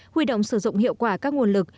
huy động sử dụng hiệu quả các nguồn lực